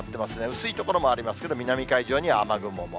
薄い所もありますけど、南海上には雨雲も。